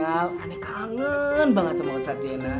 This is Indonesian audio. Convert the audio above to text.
aneh kangen banget sama ustadz jena